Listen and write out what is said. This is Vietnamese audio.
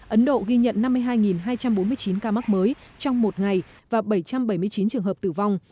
ấn độ ghi nhận năm mươi hai hai trăm bốn mươi chín ca mắc mới trong một ngày và bảy trăm bảy mươi chín trường hợp tử vong